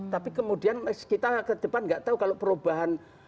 tapi kemudian kita ke depan nggak tahu kalau perubahan